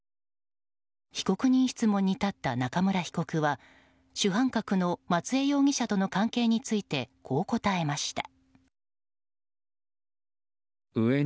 被告人質問に立った中村被告は主犯格の松江容疑者との関係についてこう答えました。